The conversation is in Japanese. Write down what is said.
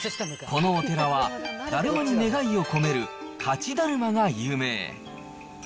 このお寺は、ダルマに願いを込める勝ちダルマが有名。